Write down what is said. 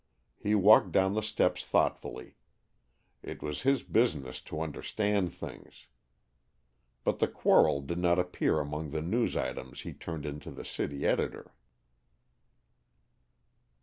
He walked down the steps thoughtfully. It was his business to understand things. But the quarrel did not appear among the news items he turned into the city editor.